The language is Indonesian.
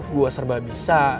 gue serba bisa